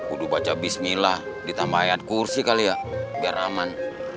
udah baca bismillah ditambah ayat kursi kali ya biar aman